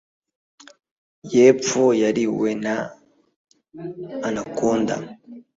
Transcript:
yepfo yariwe na anaconda